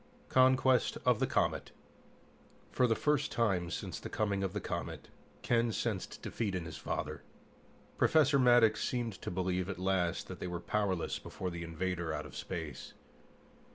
Conquest of the Comet For the first time since the coming of the comet, Ken sensed defeat in his father. Professor Maddox seemed to believe at last that they were powerless before the invader out of space.